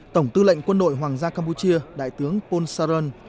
tổng tư lệnh quân đội hoàng gia campuchia đại tướng pol saran